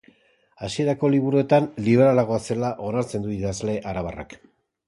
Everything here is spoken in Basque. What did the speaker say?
Hasierako liburuetan liberalagoa zela onartzen du idazle arabarrak.